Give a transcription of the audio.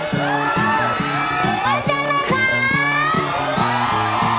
สู้ครับ